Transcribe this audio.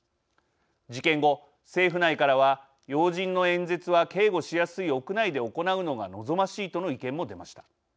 事件後、政府内からは要人の演説は警護しやすい屋内で行うのが望ましいとの意見も出ました。